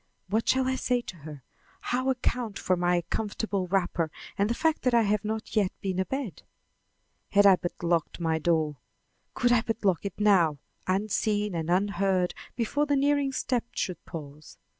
What shall I say to her, how account for my comfortable wrapper and the fact that I have not yet been abed? Had I but locked my door! Could I but lock it now, unseen and unheard before the nearing step should pause!